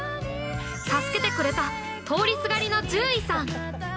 ◆助けてくれた通りすがりの獣医さん。